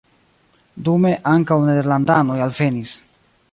Dume ankaŭ nederlandanoj alvenis.